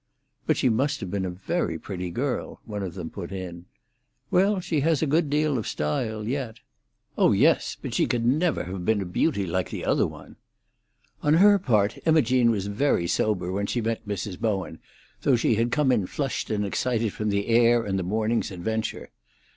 "But she must have been a very pretty girl," one of them put in. "Well, she has a good deal of style yet." "Oh yes, but she never could have been a beauty like the other one." On her part, Imogene was very sober when she met Mrs. Bowen, though she had come in flushed and excited from the air and the morning's adventure.